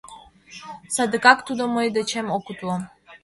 Садыгак тудо мый дечем ок утло...»